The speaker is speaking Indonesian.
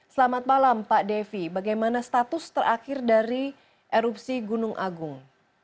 selamat malam pak devi bagaimana status terakhir dari erupsi gunung agung